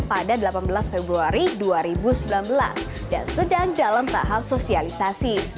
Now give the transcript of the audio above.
pada delapan belas februari dua ribu sembilan belas dan sedang dalam tahap sosialisasi